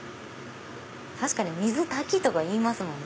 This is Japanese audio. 確かに水炊きとか言いますね。